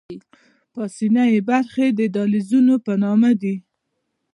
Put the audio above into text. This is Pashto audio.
پاسنۍ برخې یې د دهلیزونو په نامه دي.